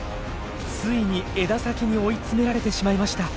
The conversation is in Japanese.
ついに枝先に追い詰められてしまいました。